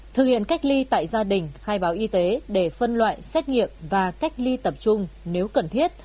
thực hiện cách ly tại gia đình khai báo y tế để phân loại xét nghiệm và cách ly tập trung nếu cần thiết